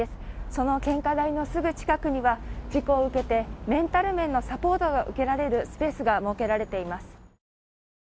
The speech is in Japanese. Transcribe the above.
その献花台のすぐ近くには事故を受けてメンタル面のサポートが受けられるスペースが設けられています。